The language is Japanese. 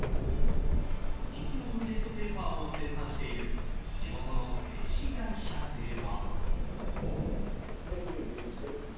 人気のトイレットペーパーを生産している地元の製紙会社では。